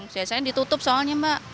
biasanya ditutup soalnya mbak